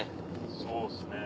そうですね。